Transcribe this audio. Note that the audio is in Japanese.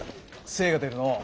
精が出るのう。